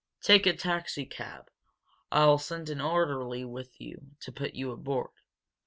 Take a taxicab I'll send an orderly with you to put you aboard.